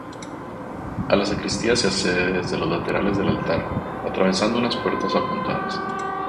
A la sacristía se accede desde los laterales del altar, atravesando unas puertas apuntadas.